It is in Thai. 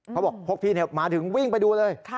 เขาบอกพวกพี่มาถึงวิ่งไปดูเลย